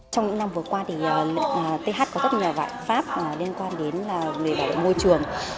trong những năm vừa qua thì th có rất nhiều vạn pháp liên quan đến bảo vệ môi trường